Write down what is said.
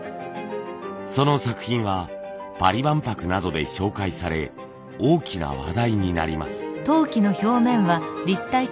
その作品はパリ万博などで紹介され大きな話題になります。